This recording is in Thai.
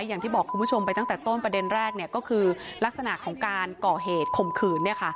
อย่างที่บอกคุณผู้ชมไปตั้งแต่ต้นประเด็นแรกก็คือลักษณะของการก่อเหตุข่มขืน